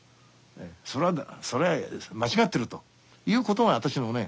それは間違ってるということが私のね